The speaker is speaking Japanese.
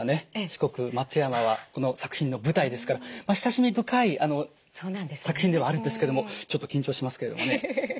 四国松山はこの作品の舞台ですから親しみ深い作品ではあるんですけどもちょっと緊張しますけれどもね。